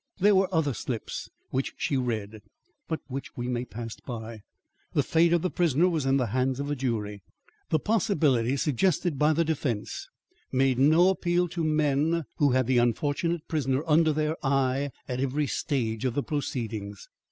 There were other slips, which she read but which we may pass by. The fate of the prisoner was in the hands of a jury. The possibility suggested by the defence made no appeal to men who had the unfortunate prisoner under their eye at every stage of the proceedings.